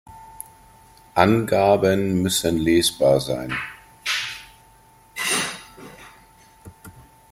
Angaben müssen lesbar sein.